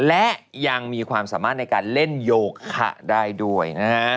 และยังมีความสามารถในการเล่นโยคะได้ด้วยนะฮะ